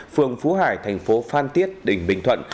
phường phú hải thành phố phan thiết đỉnh bình thuận